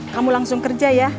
kamu langsung kerja ya